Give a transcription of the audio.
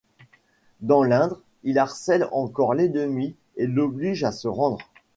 Dans l'Indre, il harcèle encore l'ennemi et l'oblige à se rendre.